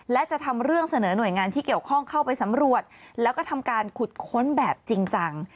และจะทำเรื่องเสนอหน่วยงานที่เกี่ยวข้องเข้าไปสำรวจแล้วก็ทำการขุดค้นแบบจริงจัง